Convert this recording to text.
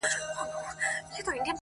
د گلو كر نه دى چي څوك يې پــټ كړي